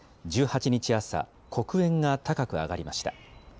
１８日朝、黒煙が高く上がりました。